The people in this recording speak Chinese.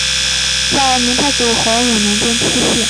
在明太祖洪武年间出仕。